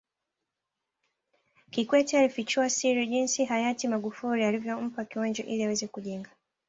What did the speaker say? Kikwete alifichua siri jinsi Hayati Magufuli alivyompa kiwanja ili aweze kujenga